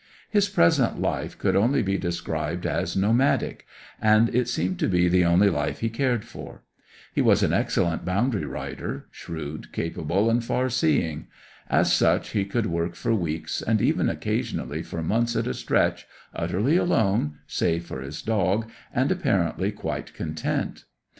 His present life could only be described as nomadic; and it seemed to be the only life he cared for. He was an excellent boundary rider, shrewd, capable, and far seeing. As such he would work for weeks, and even, occasionally, for months at a stretch, utterly alone, save for his dog, and apparently quite content.